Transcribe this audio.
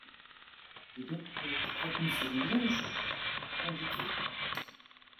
Dis donc, je crois que nous serons bien ici… qu’en dis-tu ?